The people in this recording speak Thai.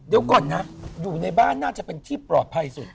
เดี๋ยวก่อนนะอยู่ในบ้านน่าจะเป็นที่ปลอดภัยสุด